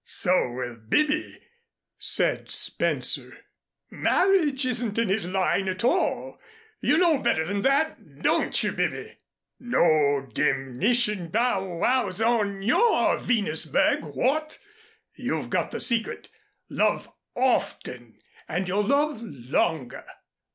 "So will Bibby," said Spencer. "Marriage isn't his line at all. You know better than that, don't you, Bibby. No demnition bow wows on your Venusberg what? You've got the secret. Love often and you'll love longer.